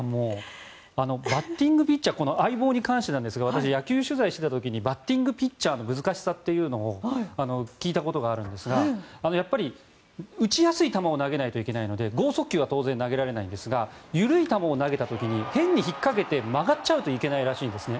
バッティングピッチャー相棒に関してですが私、野球取材していた時にバッティングピッチャーの難しさというのを聞いたことがあるんですがやっぱり打ちやすい球を投げないといけないので豪速球は当然投げられないんですが緩い球を投げた時に変に引っかけて曲がっちゃうといけないらしいんですね。